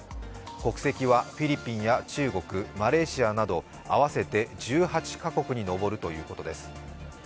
国籍はフィリピンや中国、マレーシアなど、合わせて１８か国に上るということです。